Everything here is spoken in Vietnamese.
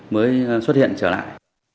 mới xuất hiện trở lại